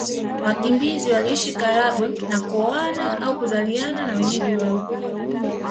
Wakimbizi waliishi Karagwe na kuoana au kuzaliana na wenyeji wao